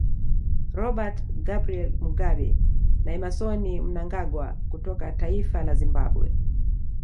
Robert Gabriel Mugabe na Emmasoni Mnangagwa kutoka Taifa la Zimbabwe